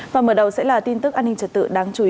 và mở đầu sẽ là tin tức an ninh trật tự đáng chú ý